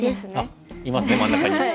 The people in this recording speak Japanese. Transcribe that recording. あっいますね真ん中に。